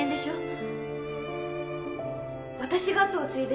私が跡を継いで